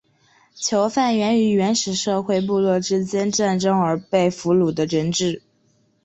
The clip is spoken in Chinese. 囚犯源于原始社会部落之间战争而被俘虏的人质。